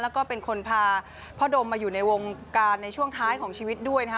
แล้วก็เป็นคนพาพ่อดมมาอยู่ในวงการในช่วงท้ายของชีวิตด้วยนะฮะ